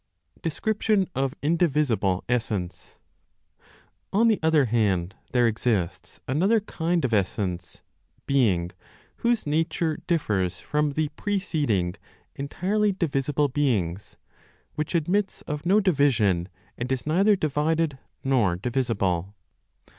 DESCRIPTION OF INDIVISIBLE ESSENCE. On the other hand, there exists another kind of essence ("being"), whose nature differs from the preceding (entirely divisible beings), which admits of no division, and is neither divided nor divisible.